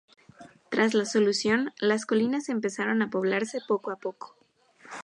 Tras la solución las colinas empezaron a poblarse poco a poco.